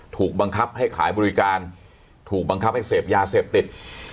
ถูกบังคับให้ขายบริการถูกบังคับให้เสพยาเสพติด